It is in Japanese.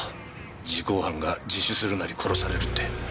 時効犯が自首するなり殺されるって。